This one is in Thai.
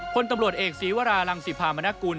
พลตำรวจเอกศีวรารังสิภามนกุล